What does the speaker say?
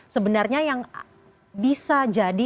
sebenarnya yang bisa jadi